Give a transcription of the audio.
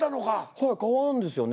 はい変わるんですよね。